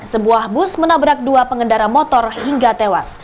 sebuah bus menabrak dua pengendara motor hingga tewas